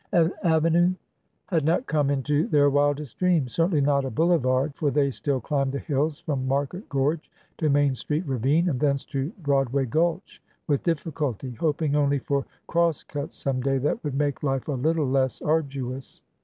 An avenue had not come into their wildest dreams, — cer tainly not a boulevard ! for they still climbed the hills from Market gorge to Main Street ravine, and thence to Broad way gulch, with difficulty, hoping only for cross cuts some day that would make life a little less arduous.